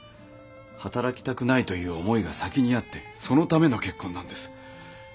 働きたくないという思いが先にあってそのための結婚なんです。